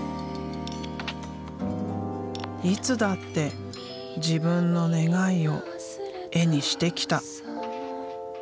いつだって自分の願いを絵にしてきた。